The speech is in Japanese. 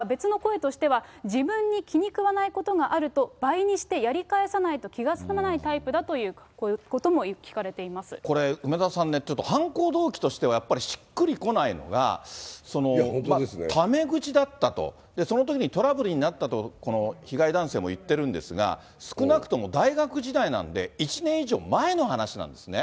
そのほか別の声としては、自分に気に食わないことがあると、倍にしてやり返さないと気が済まないタイプだということも聞かれこれ、梅沢さんね、ちょっと犯行動機としては、やっぱりしっくりこないのが、タメ口だったと、そのときにトラブルになったと、この被害男性も言ってるんですが、少なくとも大学時代なんで、１年以上前の話なんですね。